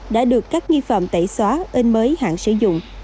đã được các nghi phạm tẩy xóa tên mới hạn sử dụng